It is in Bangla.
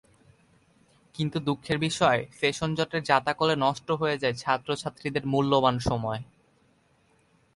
কিন্তু দুঃখের বিষয়, সেশনজটের জাঁতাকলে নষ্ট হয়ে যায় ছাত্রছাত্রীদের মূল্যবান সময়।